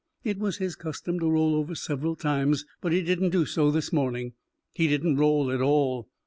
It was his custom to roll over several times, but he didn't do so this morning. He didn't roll at all.